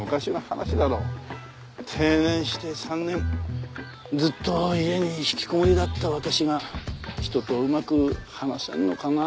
定年して３年ずっと家にひきこもりだった私が人とうまく話せるのかな？